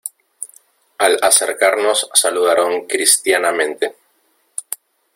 al acercarnos saludaron cristianamente: